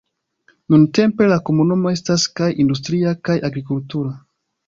Nuntempe, la komunumo estas kaj industria kaj agrikultura.